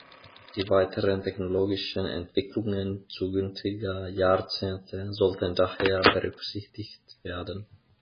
Die weiteren technologischen Entwicklungen zukünftiger Jahrzehnte sollten daher berücksichtigt werden.